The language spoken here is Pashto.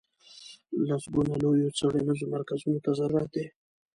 لسګونو لویو څېړنیزو مرکزونو ته ضرورت دی.